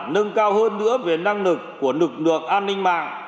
nâng cao hơn nữa về năng lực của lực lượng an ninh mạng